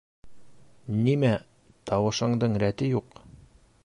Нимә тауышыңдың рәте юҡ?